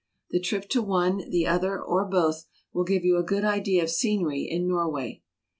The trip to one, the other, or both, will give you a good idea of scenery in Norway.